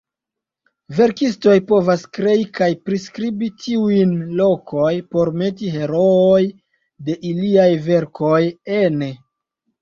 Verkistoj povas krei kaj priskribi tiujn lokoj por meti herooj de iliaj verkoj ene.